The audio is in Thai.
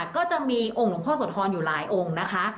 ก็จะมีองค์หลวงพ่อโสธรอยู่หลายองค์นะคะ